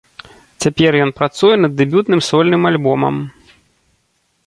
Цяпер ён працуе над дэбютным сольным альбомам.